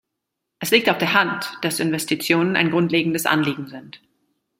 Es liegt auf der Hand, dass Investitionen ein grundlegendes Anliegen sind.